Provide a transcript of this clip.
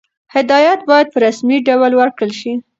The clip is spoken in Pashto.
هدایت باید په رسمي ډول ورکړل شي.